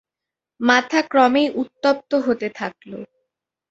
মাথা ক্রমেই উত্তপ্ত হতে থাকল।